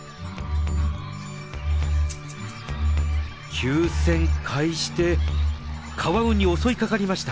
急旋回してカワウに襲いかかりました。